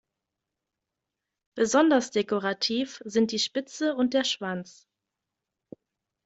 Besonders dekorativ sind die Spitze und der Schwanz.